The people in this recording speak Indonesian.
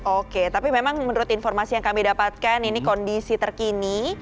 oke tapi memang menurut informasi yang kami dapatkan ini kondisi terkini